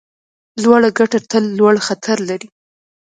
لوړه ګټه تل لوړ خطر لري.